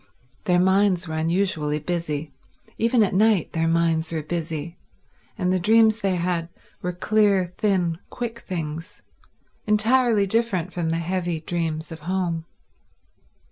Their minds were unusually busy. Even at night their minds were busy, and the dreams they had were clear, thin, quick things, entirely different from the heavy dreams of home.